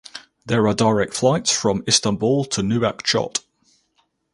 There are direct flights from Istanbul to Nouakchott.